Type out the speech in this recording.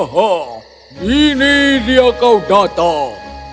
hah ini dia kau datang